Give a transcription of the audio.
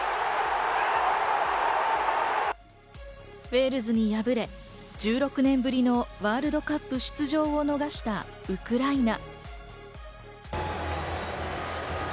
ウェールズに敗れ、１６年ぶりのワールドカップ出場を逃したウクライナ。